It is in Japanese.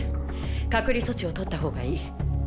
隔離措置をとった方がいい。